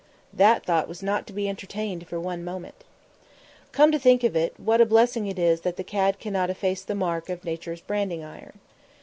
that thought was not to be entertained for one moment. Come to think of it, what a blessing it is that the cad cannot efface the mark of Nature's branding iron.